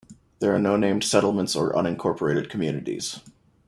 There are no named settlements or unincorporated communities.